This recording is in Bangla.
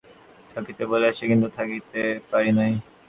আমরা নিজেদের শান্ত ও পরিতৃপ্ত থাকিতে বলিয়াছি, কিন্তু থাকিতে পারি নাই।